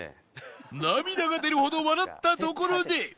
涙が出るほど笑ったところで